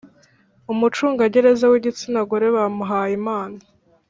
umucungagereza w igitsina gore bamuhaye impano